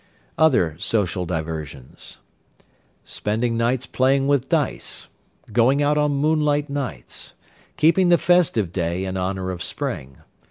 Other Social Diversions. Spending nights playing with dice. Going out on moonlight nights. Keeping the festive day in honour of spring.